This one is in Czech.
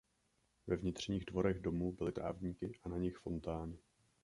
Ve vnitřních dvorech domu byly trávníky a na nich fontány.